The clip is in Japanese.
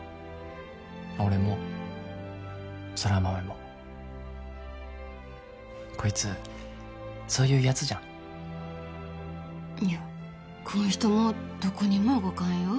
俺も空豆もこいつそういうやつじゃんいやこん人もどこにも動かんよ